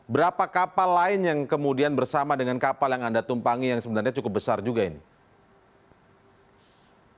berapa kapal lain yang kemudian bersama dengan kapal yang anda tumpangi yang sebenarnya cukup besar juga ini